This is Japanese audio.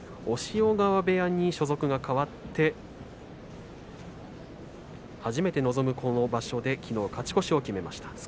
押尾川部屋に所属が変わって初めて臨む場所できのう勝ち越しを決めました。